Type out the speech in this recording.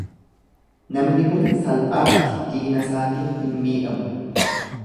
Namni bule salphaatti dinasaatiin hin miidhamu.